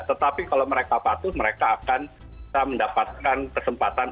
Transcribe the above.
tetapi kalau mereka patuh mereka akan mendapatkan kesempatan